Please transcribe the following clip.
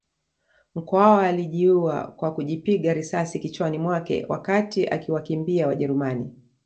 Mkwawa alijiua kwa kujipiga risasi kichwani mwake wakati akiwakimbia Wajerumani